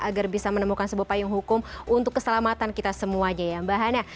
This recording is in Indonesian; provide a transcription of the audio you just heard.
agar bisa menemukan sebuah payung hukum untuk keselamatan kita semuanya ya mbak hana